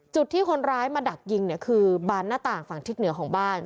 จุดที่คนร้ายมาดักยิงเนี่ยคือบานหน้าต่างฝั่งทิศเหนือของบ้าน